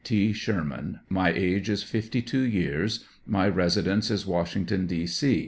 T. Sherman ; my age is 52 years ; my residence Is Washington, D. 0.